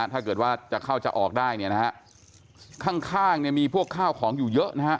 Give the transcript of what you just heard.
ถ้าเกิดว่าจะเข้าจะออกได้เนี่ยนะฮะข้างเนี่ยมีพวกข้าวของอยู่เยอะนะฮะ